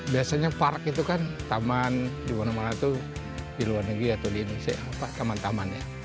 biasanya park itu kan taman di mana mana itu di luar negeri atau di indonesia taman taman ya